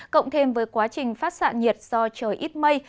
cộng thêm với quá trình phát xạ nhiệt do trời ít mây